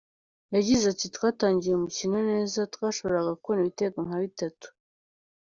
Yagize ati " Twatangiye umukino neza, twashoboraga kubona ibitego nka bitatu.